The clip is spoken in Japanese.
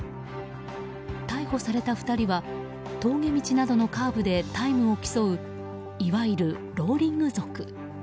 逮捕された２人は峠道などのカーブでタイムを競ういわゆるローリング族。